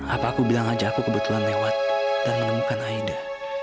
apa aku bilang aja aku kebetulan lewat dan menemukan aida